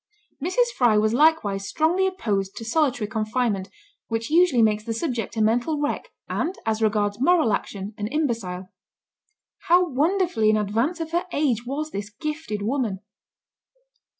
Mrs. Fry was likewise strongly opposed to solitary confinement, which usually makes the subject a mental wreck, and, as regards moral action, an imbecile. How wonderfully in advance of her age was this gifted woman!